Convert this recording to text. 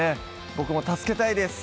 僕も助けたいです